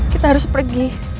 kita harus pergi